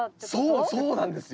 そうそうなんですよ！